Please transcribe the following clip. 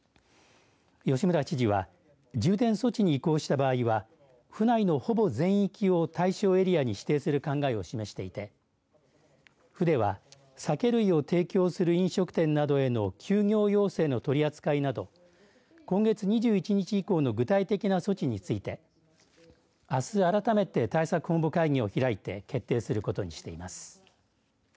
吉村知事は重点措置に移行した場合は府内のほぼ全域を対象エリアに指定する考えを示していて府では酒類を提供する飲食店などへの休業要請の取り扱いなど今月２１日以降の具体的な措置についてあす、改めて対策本部会議を開いて決定することにしています。